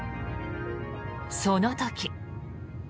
その時。